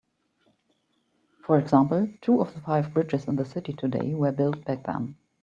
For example, two of the five bridges in the city today were built back then.